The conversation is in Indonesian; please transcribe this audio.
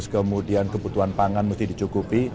kemudian kebutuhan pangan mesti dicukupi